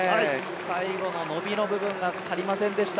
最後の伸びの部分が足りませんでした。